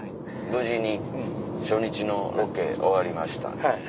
「無事に初日のロケ終わりました」。